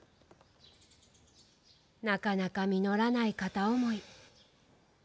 なかなか実らない片思い。